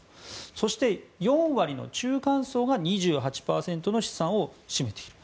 そして、４割の中間層が２８％の資産を占めている。